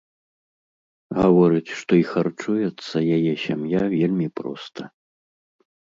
Гаворыць, што і харчуецца яе сям'я вельмі проста.